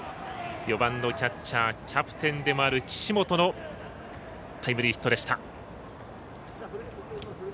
４番のキャッチャーキャプテンでもある岸本のタイムリーヒットでした。